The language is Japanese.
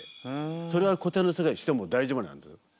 それは古典の世界でしても大丈夫なんです。